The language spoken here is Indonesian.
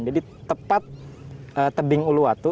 jadi tepat tebing uluwatu